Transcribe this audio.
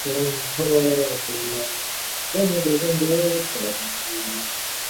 唐克斯特都市自治市以铁路和赛马闻名。